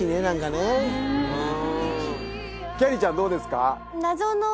きゃりーちゃんどうですか？